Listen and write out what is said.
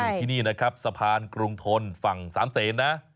ที่นี่นะครับสะพานกรุงทนฝั่งสามเซนนะ